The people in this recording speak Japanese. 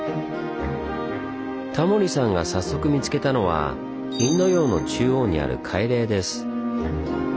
タモリさんが早速見つけたのはインド洋の中央にある海嶺です。